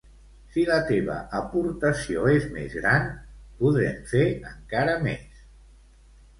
Si la teva aportació és més gran, podrem fer encara més.